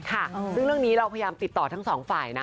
ซึ่งเรื่องนี้เราพยายามติดต่อทั้งสองฝ่ายนะ